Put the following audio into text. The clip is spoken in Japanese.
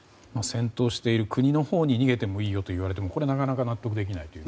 戦闘している国のほうに逃げてもいいよと言われてもこれはなかなか納得できない。